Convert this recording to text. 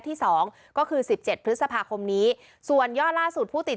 ที่สองก็คือสิบเจ็ดพฤษภาคมนี้ส่วนยอดล่าสุดผู้ติด